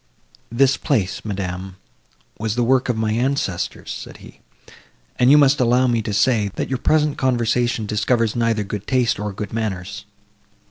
"This place, madam, was the work of my ancestors," said he, "and you must allow me to say, that your present conversation discovers neither good taste, nor good manners."